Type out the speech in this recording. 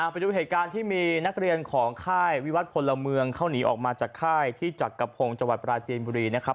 ไปดูเหตุการณ์ที่มีนักเรียนของค่ายวิวัตรพลเมืองเขาหนีออกมาจากค่ายที่จักรพงศ์จังหวัดปราจีนบุรีนะครับ